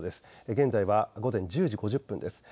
現在は午前１０時５０分です。